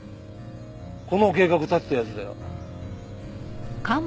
この計画立てた奴だよ。